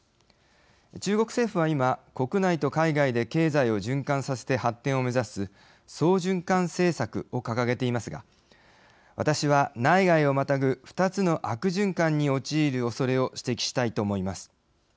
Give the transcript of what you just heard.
中国政府は今、国内と海外で経済を循環させて発展を目指す双循環政策を掲げていますが私は内外をまたぐ二つの悪循環に陥るおそれを指摘したいと思います。